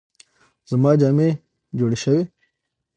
زما جامې جوړې شوې؟